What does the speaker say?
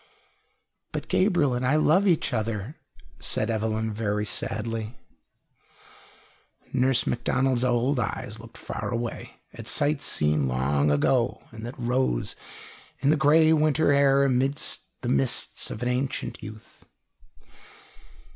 "But Gabriel and I love each other," said Evelyn very sadly. Nurse Macdonald's old eyes looked far away, at sights seen long ago, and that rose in the grey winter air amid the mists of an ancient youth.